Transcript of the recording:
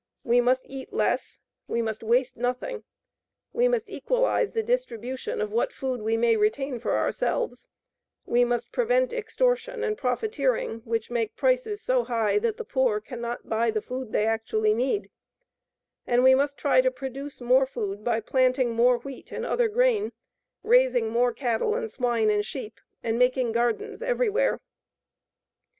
We must eat less; we must waste nothing; we must equalize the distribution of what food we may retain for ourselves; we must prevent extortion and profiteering which make prices so high that the poor cannot buy the food they actually need; and we must try to produce more food by planting more wheat and other grain, raising more cattle and swine and sheep, and making gardens everywhere.